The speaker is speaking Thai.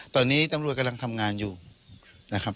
ตอนนี้ตำรวจกำลังทำงานอยู่นะครับ